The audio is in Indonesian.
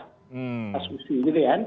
pas usia gitu ya